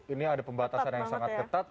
ini ada pembatasan yang sangat ketat